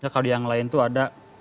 kalau di yang lain itu ada